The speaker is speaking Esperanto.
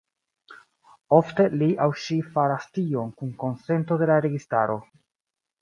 Ofte li aŭ ŝi faras tion kun konsento de la registaro.